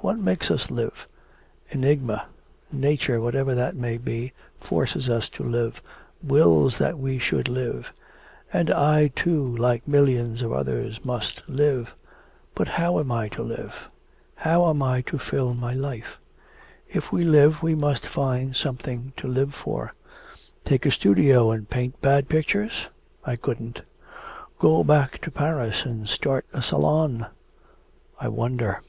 What makes us live? Enigma. Nature, whatever that may be, forces us to live, wills that we should live. 'And I, too, like millions of others must live. But how am I to live? How am I to fill my life? If we live we must find something to live for. Take a studio and paint bad pictures? I couldn't. Go back to Paris and start a salon? I wonder!'